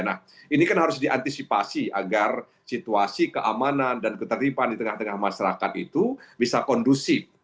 nah ini kan harus diantisipasi agar situasi keamanan dan ketertiban di tengah tengah masyarakat itu bisa kondusif